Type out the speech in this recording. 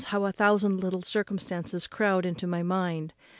how a thousand little circumstances crowd into my mind!